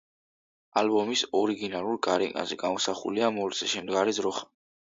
ალბომის ორიგინალურ გარეკანზე გამოსახულია მოლზე შემდგარი ძროხა.